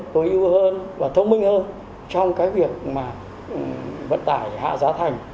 tối ưu hơn và thông minh hơn trong cái việc mà vận tải hạ giá thành